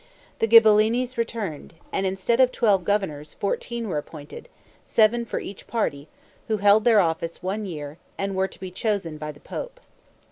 The Ghibellines returned, and, instead of twelve governors, fourteen were appointed, seven for each party, who held their office one year, and were to be chosen by the pope.